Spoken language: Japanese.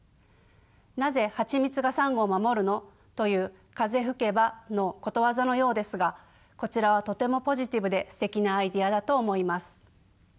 なぜハチミツがサンゴを守るの？という「風吹けば」のことわざのようですがこちらはとてもポジティブですてきなアイデアだと思います。